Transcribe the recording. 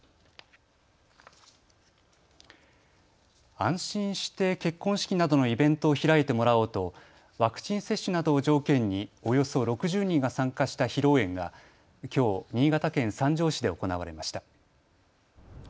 安心して結婚式などのイベントを開いてもらおうとワクチン接種などを条件におよそ６０人が参加した披露宴がきょう新潟県三条市で行われました。